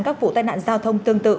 các vụ tai nạn giao thông tương tự